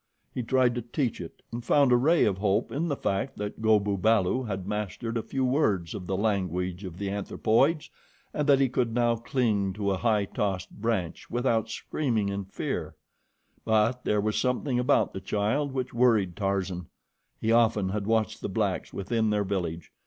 He tried to teach it, and found a ray of hope in the fact that Go bu balu had mastered a few words of the language of the anthropoids, and that he could now cling to a high tossed branch without screaming in fear; but there was something about the child which worried Tarzan. He often had watched the blacks within their village.